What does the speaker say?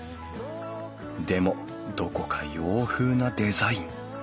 でもどこか洋風なデザイン。